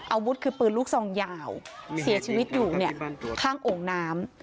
อาวุธคือปืนลูกซองยาวเสียชีวิตอยู่เนี่ยข้างโอ่งน้ำ